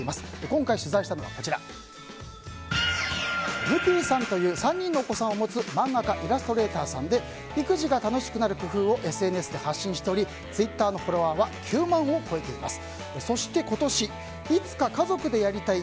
今回取材したのはむぴーさんという３人のお子さんを持つ漫画家イラストレーターさんで育児が楽しくなる工夫をＳＮＳで発信しておりツイッターのフォロワーは９万を超えています。